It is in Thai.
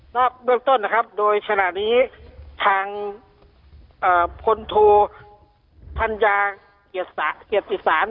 แล้วเริ่มต้นนะครับโดยฉลาดนี้ทางคนโทษภัญญาเกียรติศาสตร์